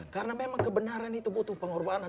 karena memang kebenaran itu butuh pengorbanan